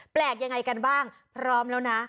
แปลกยังไงกันบ้างพร้อมแล้วนะ